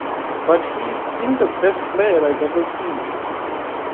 But he is still the best player I've ever seen.